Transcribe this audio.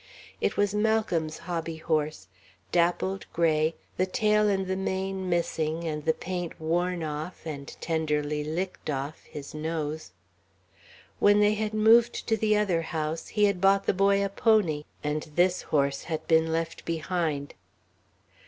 It was Malcolm's hobbyhorse, dappled gray, the tail and the mane missing and the paint worn off and tenderly licked off his nose. When they had moved to the other house, he had bought the boy a pony, and this horse had been left behind.